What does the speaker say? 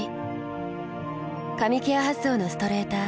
髪ケア発想のストレーター。